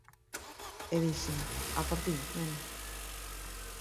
E dixen: "A por ti, neno".